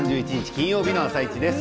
金曜日の「あさイチ」です。